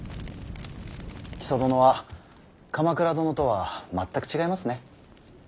木曽殿は鎌倉殿とは全く違いますね。